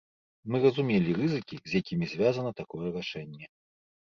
Мы разумелі рызыкі, з якімі звязана такое рашэнне.